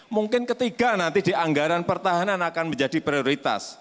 mungkin ketiga nanti di anggaran pertahanan akan menjadi prioritas